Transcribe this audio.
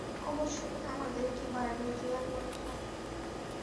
অবশ্যই, আমাদের কি বারবেরিয়ান মনে হয়?